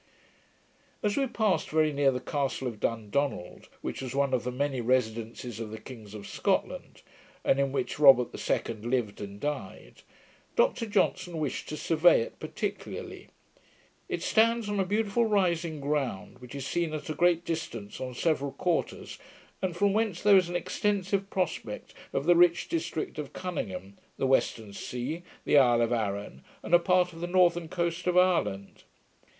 As we passed very near the castle of Dundonald, which was one of the many residencies of the kings of Scotland, and in which Robert the Second lived and died, Dr Johnson wished to survey it particularly. It stands on a beautiful rising ground, which is seen at a great distance on several quarters, and from whence there is an extensive prospect of the rich district of Cuninghame, the western sea, the isle of Arran, and a part of the northern coast of Ireland.